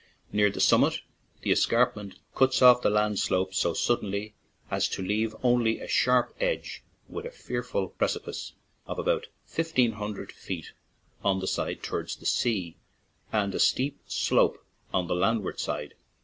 Near the summit the escarpment cuts off the land slope so suddenly as to leave only a sharp edge with a fearful precipice of above fif teen hundred feet on the side towards the sea, and a steep slope on the landward side.